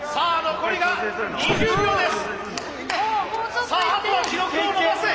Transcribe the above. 残りが５秒です。